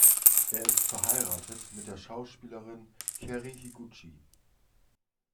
Er ist verheiratet mit der Schauspielerin Kerri Higuchi.